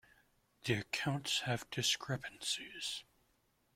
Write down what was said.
The accounts have discrepancies.